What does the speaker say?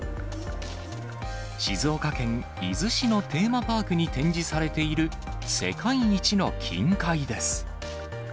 静岡県伊豆市のテーマパークに展示されている世界一の金塊です。